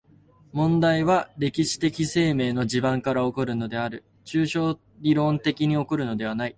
問題は歴史的生命の地盤から起こるのである、抽象論理的に起こるのではない。